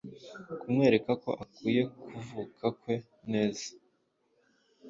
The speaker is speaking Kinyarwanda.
Kumwereka ko akwiye kuvuka kwe neza